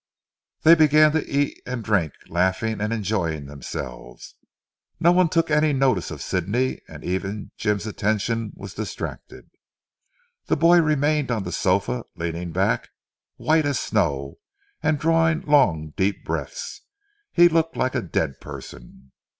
They began to eat and drink, laughing and enjoying themselves. No one took any notice of Sidney, and even Jim's attention was distracted. The boy remained on the sofa, leaning back, white as snow, and drawing long deep breaths. He looked like a dead person.